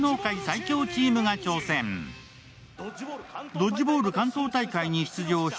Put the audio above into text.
ドッジボール関東大会に出場した